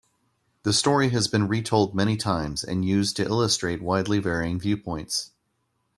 The story has been retold many times and used to illustrate widely varying viewpoints.